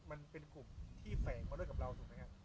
มันเป็นกลุ่มที่แฝงเขาด้วยกับเราถูกไหมครับ